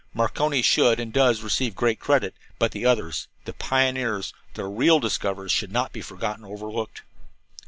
Marconi should, and does, receive great credit; but the others, the pioneers, the real discoverers, should not be forgotten or overlooked."